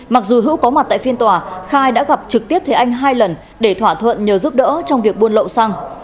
mặc dù hữu có mặt tại phiên tòa khai đã gặp trực tiếp thế anh hai lần để thỏa thuận nhờ giúp đỡ trong việc buôn lậu xăng